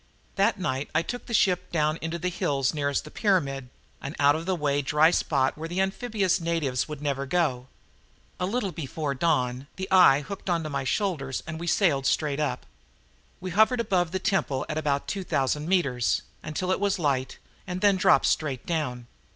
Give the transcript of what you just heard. That night I took the ship down into the hills nearest the pyramid, an out of the way dry spot where the amphibious natives would never go. A little before dawn, the eye hooked onto my shoulders and we sailed straight up. We hovered above the temple at about 2,000 meters, until it was light, then dropped straight down.